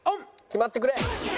決まってくれ！